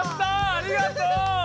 ありがとう！